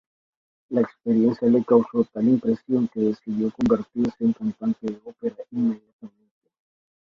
La experiencia le causó tal impresión que decidió convertirse en cantante de ópera inmediatamente.